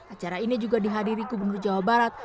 acara ini juga dihadiri gubernur jawa barat